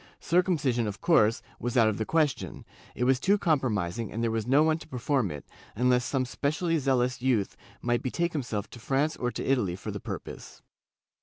Circumcision, of course, was out of the ques tion; it was too compromising and there was no one to perform it, unless some specially zealous youth might betake himself to France or to Italy for the purpose.